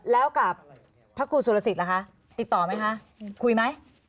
แล้วกับพระครูสุรสิทธิล่ะคะติดต่อไหมคะคุยไหม